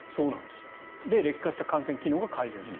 で、劣化した汗腺機能が改善する。